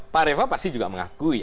pak reva pasti juga mengakui